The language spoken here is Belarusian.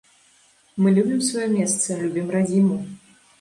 Мы любім сваё месца, любім радзіму.